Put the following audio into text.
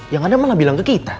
yang ada malah bilang ke kita